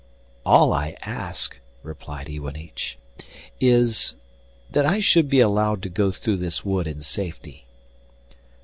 'All I ask,' replied Iwanich, 'is, that I should be allowed to go through this wood in safety.